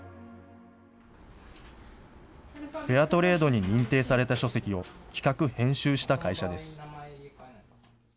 フェアトレードに認定された書籍を企画・編集した会社です。